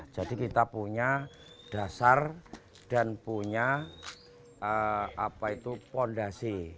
jadi kita punya dasar dan punya apa itu fondasi